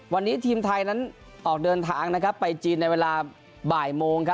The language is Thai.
วันนี้ทีมไทยนั้นออกเดินทางไปจีนในเวลาบ่ายโมง